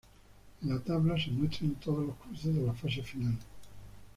En la tabla se muestran todos los cruces de la fase final.